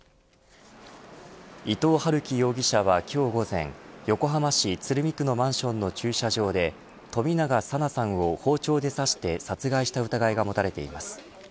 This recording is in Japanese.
伊藤龍稀容疑者は、今日午前横浜市鶴見区のマンションの駐車場で冨永紗奈さんを包丁で刺して殺害した疑いが持たれています。